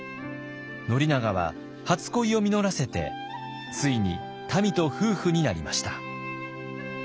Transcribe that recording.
宣長は初恋を実らせてついにたみと夫婦になりました。